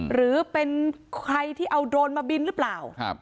หรือเป็นใครที่เอาโดรนมาบินหรือเปล่า